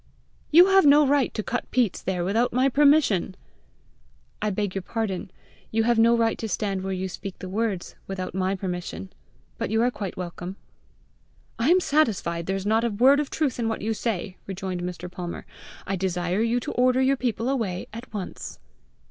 "You have no right to cut peats there without my permission!" "I beg your pardon: you have no right to stand where you speak the words without my permission. But you are quite welcome." "I am satisfied there is not a word of truth in what you say," rejoined Mr. Palmer. "I desire you to order your people away at once."